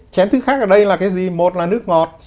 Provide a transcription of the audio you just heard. chén thức khác ở đây là cái gì một là nước ngọt